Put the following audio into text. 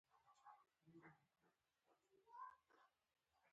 افغانستان د بامیان د ترویج لپاره پروګرامونه لري.